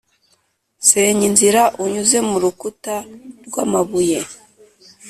senya inzira unyuze mu rukuta rwamabuye,